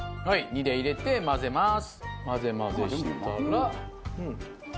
２で入れて混ぜます。